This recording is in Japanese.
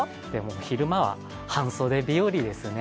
昼間は半袖日和ですね。